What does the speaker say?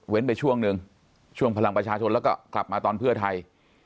ไปช่วงหนึ่งช่วงพลังประชาชนแล้วก็กลับมาตอนเพื่อไทย